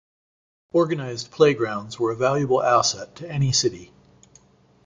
Organized playgrounds were a valuable asset to any city.